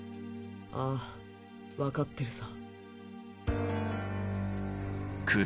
ああ分かってるさ。